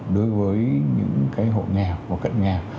đối với những cái hộ nghèo và cận nghèo